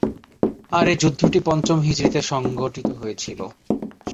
আর এ যুদ্ধটি পঞ্চম হিজরীতে সংঘটিত হয়েছিল।